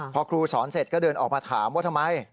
พอครูสอนเสร็จก็เดินออกมาถามว่าทำไม